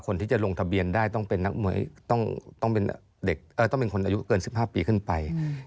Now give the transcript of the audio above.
คนที่จะลงทะเบียนได้ต้องเป็นคนอายุเกิน๑๕ปีขึ้นไป